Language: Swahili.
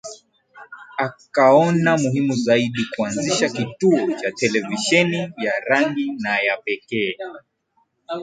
Akaona muhimu zaidi kuanzisha kituo cha televisheni ya rangi na ya pekee